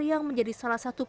yang menjadi salah satu